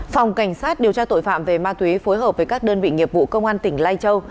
phòng cảnh sát điều tra tội phạm về ma túy phối hợp với các đơn vị nghiệp vụ công an tỉnh lai châu